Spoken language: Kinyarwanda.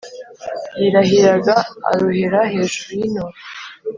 yirahiraga arohera hejuru y'intumbi